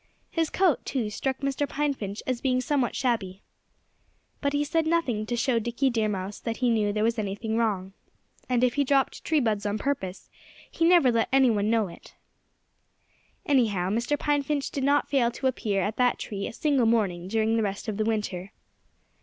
His coat, too, struck Mr. Pine Finch as being somewhat shabby. But he said nothing to show Dickie Deer Mouse that he knew there was anything wrong. And if he dropped tree buds on purpose, he never let anyone know it. Anyhow, Mr. Pine Finch did not fail to appear at that tree a single morning during the rest of the winter.